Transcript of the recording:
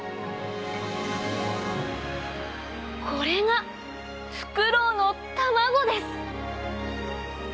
これがフクロウの卵です！